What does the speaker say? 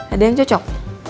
ada yang cocok